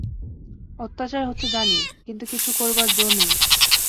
অত্যাচার হচ্ছে জানি, কিন্তু কিছু করবার জো নেই।